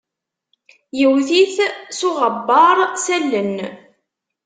Iwwet-it s uɣwebbaṛ s allen.